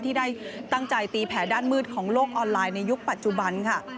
ที่ได้ตั้งใจตีแผลด้านมืดของโลกออนไลน์ในยุคปัจจุบันค่ะ